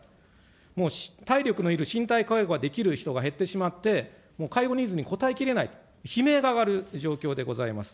もう体力のいる身体介護ができる人が減ってしまって、もう介護ニーズに応えきれないと、悲鳴が上がる状況でございます。